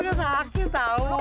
gak sakit tau